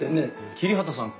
桐畑さん